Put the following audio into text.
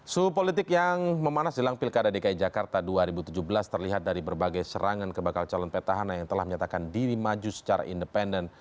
suhu politik yang memanas jelang pilkada dki jakarta dua ribu tujuh belas terlihat dari berbagai serangan ke bakal calon petahana yang telah menyatakan diri maju secara independen